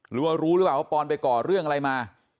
หรือว่ารู้หรือเปล่าว่าปอนด์ไปก่อเรื่องอะไรมา